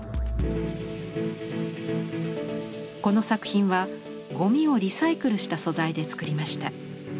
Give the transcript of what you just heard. この作品はゴミをリサイクルした素材で作りました。